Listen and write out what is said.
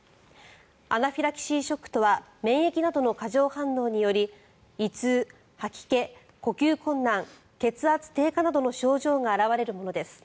アナフィラキシーショックとは免疫などの過剰反応により胃痛、吐き気、呼吸困難血圧低下などの症状が表れるものです。